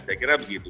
saya kira begitu